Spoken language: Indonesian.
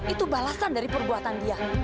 itu balasan dari perbuatan dia